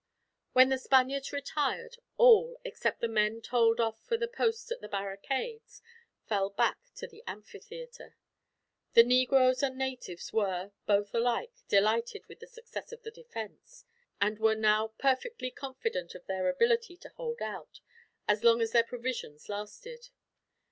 When the Spaniards retired, all, except the men told off for the posts at the barricades, fell back to the amphitheater The negroes and natives were, both alike, delighted with the success of the defense; and were now perfectly confident of their ability to hold out, as long as their provisions lasted.